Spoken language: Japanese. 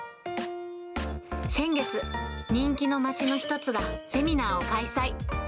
先月、人気の町の一つがセミナーを開催。